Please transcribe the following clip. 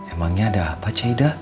emangnya ada apa cik ida